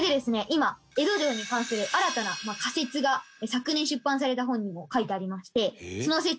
今江戸城に関する新たな仮説が昨年出版された本にも書いてありまして。